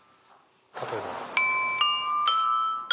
例えば。